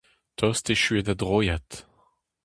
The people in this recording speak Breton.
Tost echu eo da droiad !